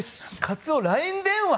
カツオＬＩＮＥ電話？